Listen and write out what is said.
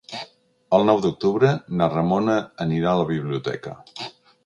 El nou d'octubre na Ramona anirà a la biblioteca.